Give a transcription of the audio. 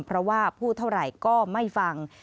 เพราะว่าพูดเท่าไหร่ก็ไม่ฟัง